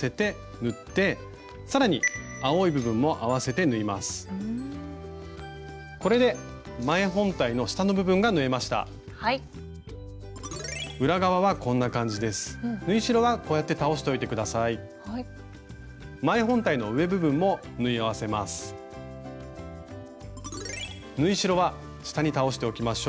縫い代は下に倒しておきましょう。